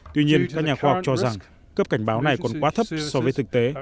tuy nhiên các nhà khoa học cho rằng cấp cảnh báo này còn quá thấp so với thực tế